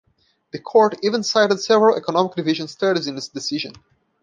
The Court even cited several Economic Division studies in its decision.